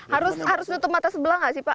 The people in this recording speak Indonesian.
harus tutup mata sebelah nggak sih pak